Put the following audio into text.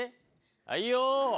はいよー。